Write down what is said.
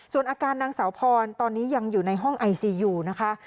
ส่วนอาการนางสาวพรตอนนี้ยังอยู่ในห้องไอซียูนะคะ